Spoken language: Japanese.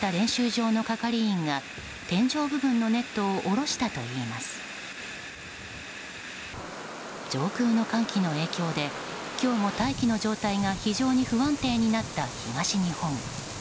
上空の寒気の影響で今日も大気の状態が非常に不安定になった東日本。